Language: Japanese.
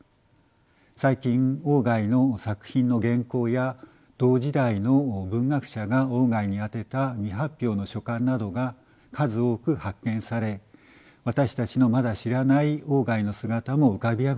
最近外の作品の原稿や同時代の文学者が外に宛てた未発表の書簡などが数多く発見され私たちのまだ知らない外の姿も浮かび上がってきています。